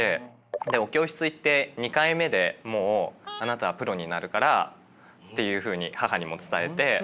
でお教室行って２回目でもう「あなたはプロになるから」っていうふうに母にも伝えて。